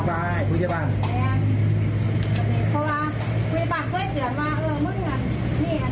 เพื่อนของนาฬิกา